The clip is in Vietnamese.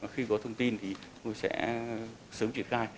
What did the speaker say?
khi có thông tin thì sẽ sớm triển khai